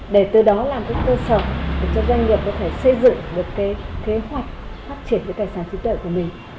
để từ đó làm các cơ sở để cho doanh nghiệp có thể xây dựng được cái kế hoạch phát triển cái tài sản trí tuệ của mình